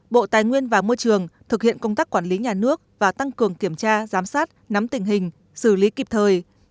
bộ tài nguyên và môi trường thực hiện công tác quản lý nhà nước và tăng cường kiểm tra giám sát nắm tình hình xử lý kịp thời